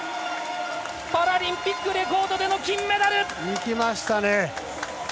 パラリンピックレコードでの金メダル！いきましたね！